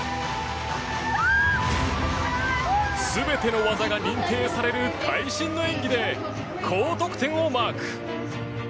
全ての技が認定される会心の演技で高得点をマーク！